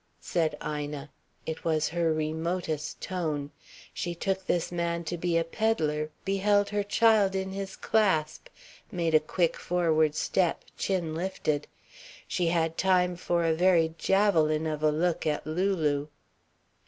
said Ina. It was her remotest tone. She took this man to be a pedlar, beheld her child in his clasp, made a quick, forward step, chin lifted. She had time for a very javelin of a look at Lulu.